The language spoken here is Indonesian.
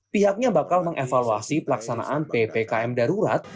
pihaknya bakal mengevaluasi pelaksanaan ppkm darurat